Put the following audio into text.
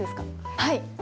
はい。